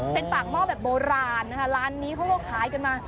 เป็นปากหม้อแบบโบราณนะคะร้านนี้เขาก็ขายกันมา